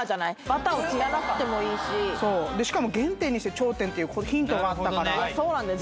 バターを切らなくてもいいししかも「原点にして頂点」っていうヒントがあったからそうなんだよ